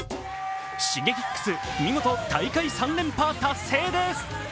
Ｓｈｉｇｅｋｉｘ、みごと大会３連覇達成です。